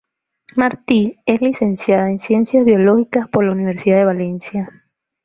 Martí es licenciada en Ciencias Biológicas por la Universidad de Valencia.